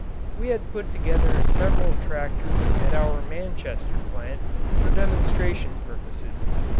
We had put together several tractors at our Manchester plant for demonstration purposes.